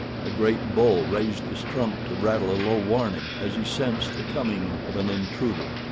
A great bull raised his trunk to rattle a low warning as he sensed the coming of an intruder.